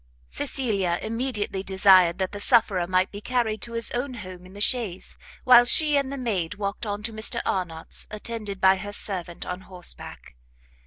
Cecilia immediately desired that the sufferer might be carried to his own home in the chaise, while she and the maid walked on to Mr Arnott's, attended by her servant on horseback.